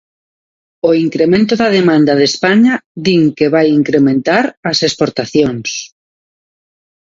O incremento da demanda de España din que vai incrementar as exportacións.